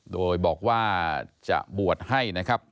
โดยบอกว่าจะบวชให้นะครับ